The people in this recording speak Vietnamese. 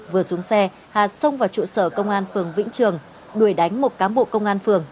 vừa xuống xe hà xông vào trụ sở công an phường vĩnh trường đuổi đánh một cán bộ công an phường